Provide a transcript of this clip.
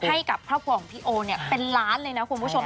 ให้กับครอบครัวของพี่โอเนี่ยเป็นล้านเลยนะคุณผู้ชม